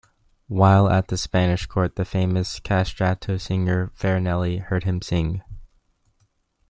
While at the Spanish court, the famous castrato singer Farinelli heard him sing.